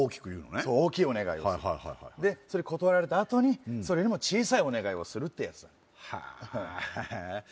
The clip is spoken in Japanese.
はいはいはいはいでそれ断られたあとにそれよりも小さいお願いをするってやつだよへえ